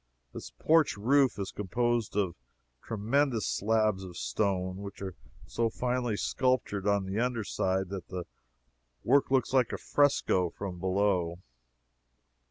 This porch roof is composed of tremendous slabs of stone, which are so finely sculptured on the under side that the work looks like a fresco from below.